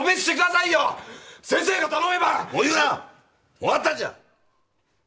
終わったんじゃ！